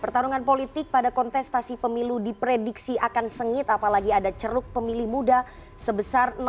jangan lupa like share dan subscribe